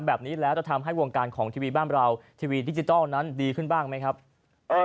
แบบนี้แล้วจะทำให้วงการของทีวีบ้านเราทีวีดิจิทัลนั้นดีขึ้นบ้างไหมครับ